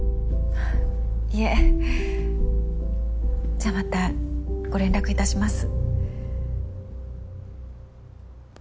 じゃあまたご連絡いたします。